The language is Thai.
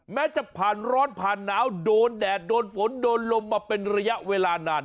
แม้จะผ่านร้อนผ่านหนาวโดนแดดโดนฝนโดนลมมาเป็นระยะเวลานาน